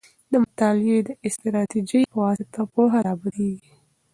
د مطالعې د استراتيژۍ په واسطه پوهه لا بدیږي.